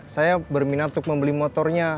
saya berminat untuk membeli motornya